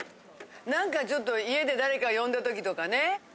何かちょっと家で誰か呼んだ時とかね。